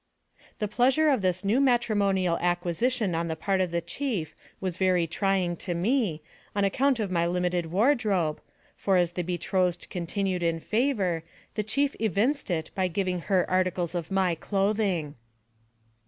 The pleasure of this new matrimonial acquisition on the part of the chief was very trying to me, on account of my limited wardrobe, for as the betrothed continued in favor, the chief evinced it by giving her articles of my clothing.